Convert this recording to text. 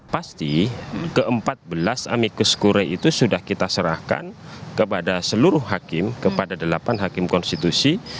pasti ke empat belas amikus kure itu sudah kita serahkan kepada seluruh hakim kepada delapan hakim konstitusi